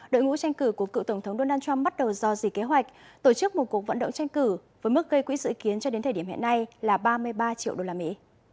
đội ngũ tranh cử của cựu tổng thống donald trump bắt đầu dò dì kế hoạch tổ chức một cuộc vận động tranh cử với mức gây quỹ dự kiến cho đến thời điểm hiện nay là ba mươi ba triệu đô la mỹ